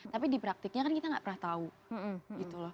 tapi di praktiknya kan kita nggak pernah tahu gitu loh